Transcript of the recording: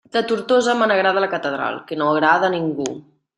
De Tortosa me n'agrada la catedral, que no agrada a ningú!